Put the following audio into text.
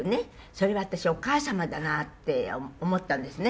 それは私お母様だなって思ったんですね。